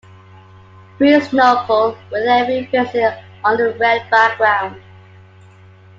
Free snorkel with every visit on a red background.